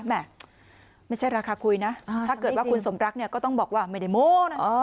แม่ไม่ใช่ราคาคุยนะถ้าเกิดว่าคุณสมรักเนี่ยก็ต้องบอกว่าไม่ได้โม้นะ